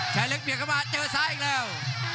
ชายเล็กเบียดเข้ามาเจอซ้ายอีกแล้ว